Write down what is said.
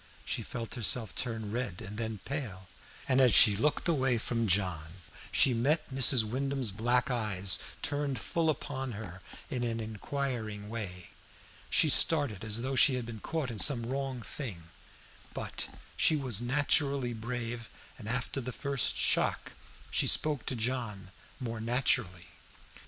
She felt herself turn red and then pale, and as she looked away from John she met Mrs. Wyndham's black eyes turned full upon her in an inquiring way. She started as though she had been caught in some wrong thing; but she was naturally brave, and after the first shock she spoke to John more naturally.